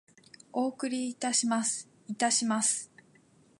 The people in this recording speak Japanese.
お送りいたします。いたします。